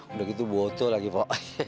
udah gitu botol lagi pak